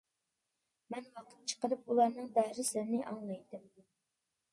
مەن ۋاقىت چىقىرىپ ئۇلارنىڭ دەرسلىرىنى ئاڭلايتتىم.